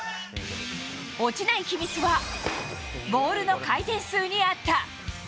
落ちない秘密は、ボールの回転数にあった。